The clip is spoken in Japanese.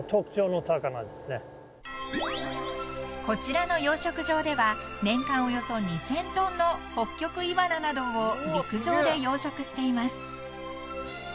［こちらの養殖場では年間およそ２，０００ｔのホッキョクイワナなどを陸上で養殖しています］